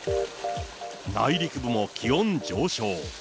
内陸部も気温上昇。